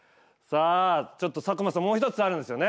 ちょっと佐久間さんもう１つあるんですよね。